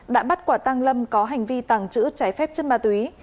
đã bắt quả tăng lâm có hành vi tàng trữ trái phép chất ma túy